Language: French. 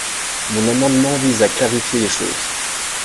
Mon amendement vise à clarifier les choses.